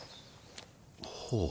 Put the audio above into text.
ほう。